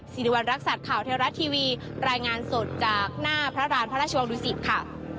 สิริวัณรักษัตริย์ข่าวเทวรัฐทีวีรายงานสดจากหน้าพระราณพระราชวังดุสิตค่ะ